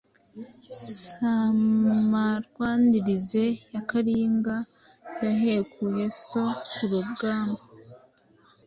Si amarwanirize ya Kalinga yahekuye so ku rugamba